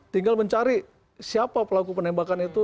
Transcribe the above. tinggal mencari siapa pelaku penembakan itu